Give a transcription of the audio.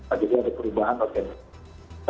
akhirnya ada perubahan oke